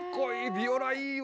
ビオラいいわ。